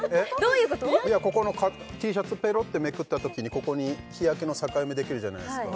いやここのＴシャツペロッてめくったときにここに日焼けの境目できるじゃないですか